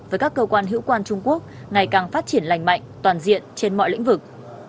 với các cơ quan hữu quan trung quốc ngày càng phát triển lành mạnh toàn diện trên mọi lĩnh vực